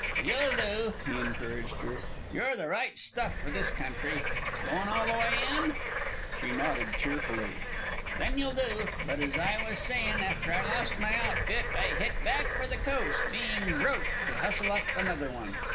"You'll do," he encouraged her. "You're the right stuff for this country. Goin' all the way in?" She nodded cheerfully. "Then you'll do. But as I was sayin', after I lost my outfit I hit back for the coast, bein' broke, to hustle up another one.